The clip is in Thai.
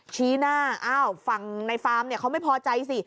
ชี้หน้าอ้าวฝั่งในฟาร์มเนี่ยเขาไม่พอใจสิ